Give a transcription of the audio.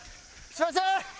すみません！